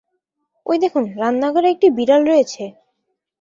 ওই দেখুন! রান্নাঘরে একটা বিড়াল রয়েছে!